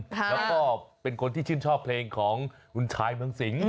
แล้วก็เป็นคนที่ชื่นชอบเพลงของคุณชายเมืองสิง